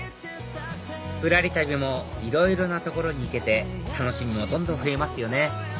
ぶらり旅もいろいろな所に行けて楽しみもどんどん増えますよね